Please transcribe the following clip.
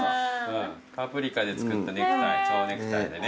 パプリカで作ったネクタイちょうネクタイでね。